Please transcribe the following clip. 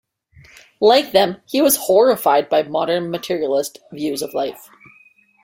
Like them, he was horrified by modern materialist views of life.